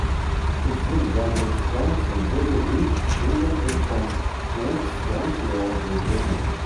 Its zigzagging stems and wider leaves distinguish it from "Tradescantia virginiana".